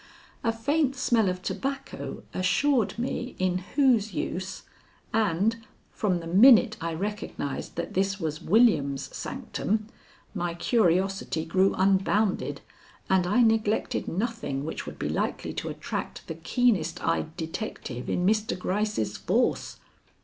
A faint smell of tobacco assured me in whose use, and from the minute I recognized that this was William's sanctum, my curiosity grew unbounded and I neglected nothing which would be likely to attract the keenest eyed detective in Mr. Gryce's force.